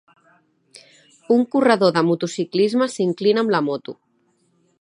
Un corredor de motociclisme s'inclina amb la moto.